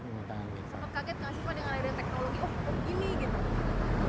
seperti kaget gak sih pada dengan teknologi oh begini gitu